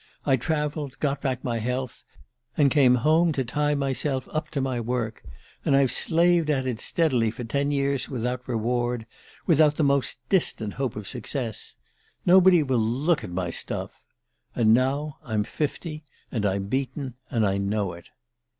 I travelled, got back my health, and came home to tie myself up to my work. And I've slaved at it steadily for ten years without reward without the most distant hope of success! Nobody will look at my stuff. And now I'm fifty, and I'm beaten, and I know it."